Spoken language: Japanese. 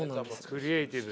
クリエイティブ。